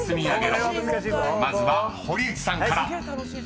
［まずは堀内さんから］